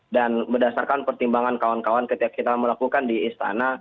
dan berdasarkan pertimbangan kawan kawan ketika kita melakukan di istana